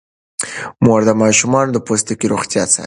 مور د ماشومانو د پوستکي روغتیا څاري.